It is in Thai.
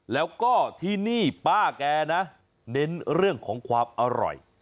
แล้วก็ที่นี่ป้าแกนะเน้นเรื่องของความอร่อย